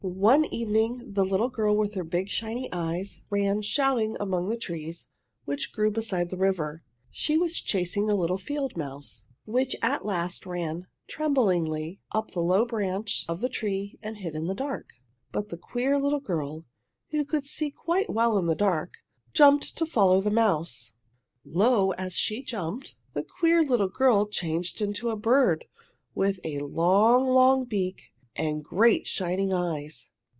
One evening the little girl with her big shiny eyes ran shouting among the trees which grew beside the river. She was chasing a little field mouse, which at last ran tremblingly up the low branch of a tree and hid in the dark. But the queer little girl, who could see quite well in the dark, jumped to follow the mouse. Lo, as she jumped, the queer little girl changed into a bird with a long, long beak and great shining eyes!